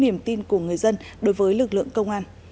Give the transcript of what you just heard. niềm tin của người dân đối với lực lượng công an